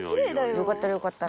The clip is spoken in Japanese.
よかったらよかったら。